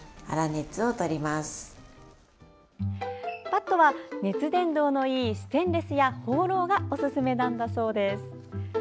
バットは熱伝導のいいステンレスやホーローがおすすめなんだそうです。